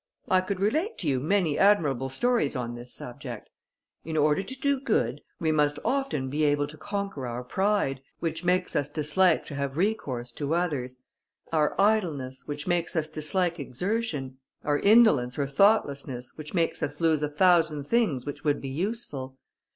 I could relate to you many admirable stories on this subject. In order to do good, we must often be able to conquer our pride, which makes us dislike to have recourse to others; our idleness, which makes us dislike exertion; our indolence or thoughtlessness, which makes us lose a thousand things which would be useful.